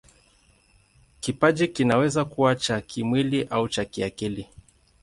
Kipaji kinaweza kuwa cha kimwili au cha kiakili.